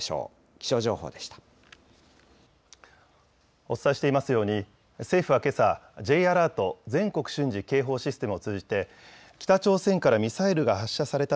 気象情報でした。